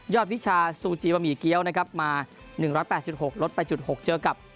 วิชาซูจีบะหมี่เกี้ยวนะครับมา๑๐๘๖ลดไปจุด๖เจอกับ